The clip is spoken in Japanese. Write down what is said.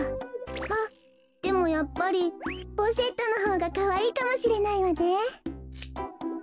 あっでもやっぱりポシェットのほうがかわいいかもしれないわね。